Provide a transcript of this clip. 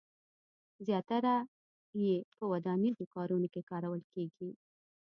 زیاتره یې په ودانیزو کارونو کې کارول کېږي.